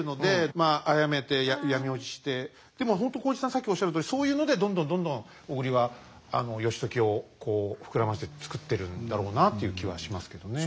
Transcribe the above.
まああやめて闇落ちしてでも本当浩市さんさっきおっしゃるとおりそういうのでどんどんどんどん小栗は義時を膨らまして作ってるんだろうなという気はしますけどね。